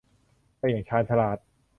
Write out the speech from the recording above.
ได้อย่างชาญฉลาด